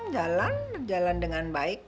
jalan jalan dengan baik